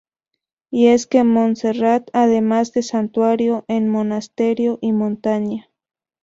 Y es que Montserrat, además de santuario, es monasterio y montaña.